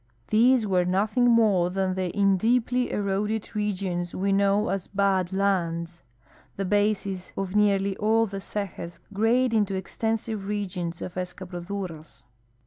These were nothing more than the in deeply erode<l regions we know as Bad Lands. The ba.ses of nearly all the cejas grade into extensive regions of e.scabroduras.